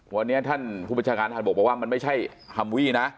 วันนี้ท่านผู้บัญชาการทหารบกบอกว่ามันไม่ใช่ฮัมวี่นะ